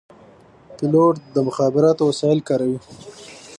پیلوټ د مخابراتو وسایل کاروي.